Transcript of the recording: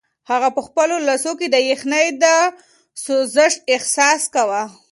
هغه په خپلو لاسو کې د یخنۍ د سوزش احساس کاوه.